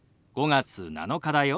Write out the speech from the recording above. ５月７日だよ。